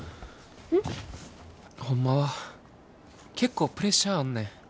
ん？ホンマは結構プレッシャーあんねん。